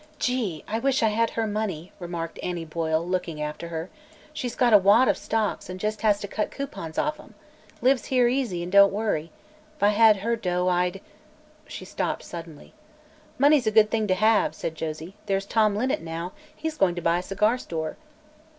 "Gee! I wish I had her money," remarked Annie Boyle, looking after her. "She's got a wad of stocks an' just has to cut coupons off 'em. Lives here easy an' don't worry. If I had her dough I'd " She stopped suddenly. "Money's a good thing to have," said Josie. "There's Tom Linnet, now; he's going to buy a cigar store."